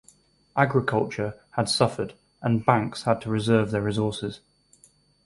Agriculture had suffered and banks had to reserve their resources.